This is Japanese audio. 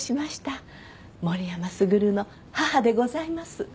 森山卓の母でございます。